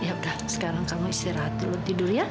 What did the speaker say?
ya udah sekarang kamu istirahat dulu tidur ya